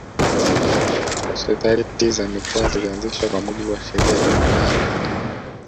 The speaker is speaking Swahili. Sekretarieti za Mikoa zilianzishwa kwa mujibu wa sheria namba nane